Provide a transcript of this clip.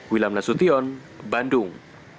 wilam nasution bandung